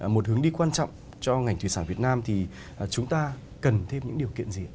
một hướng đi quan trọng cho ngành thủy sản việt nam thì chúng ta cần thêm những điều kiện gì ạ